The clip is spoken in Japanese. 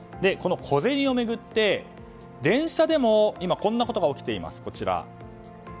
この小銭を巡って、電車でもこんなことが起きています。